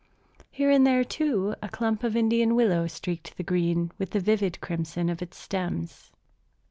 Here and there, too, a clump of Indian willow streaked the green with the vivid crimson of its stems.